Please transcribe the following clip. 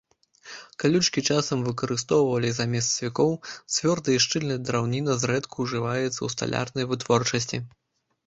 Калючкі часам выкарыстоўвалі замест цвікоў, цвёрдая і шчыльная драўніна зрэдку ўжываецца ў сталярнай вытворчасці.